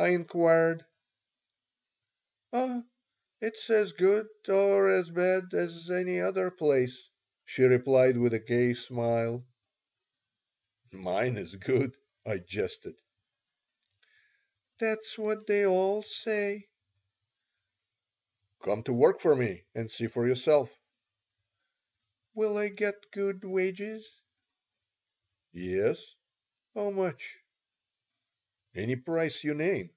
I inquired "Oh, it's as good or as bad as any other place," she replied, with a gay smile "Mine is good," I jested "That's what they all say "Come to work for me and see for yourself." "Will I get good wages?" "Yes." "How much?" "Any price you name."